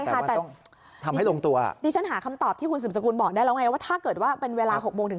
หรือปิ่งหมูกะทะก็อบอุ่นร่างกายไปด้วยอะไรแบบนี้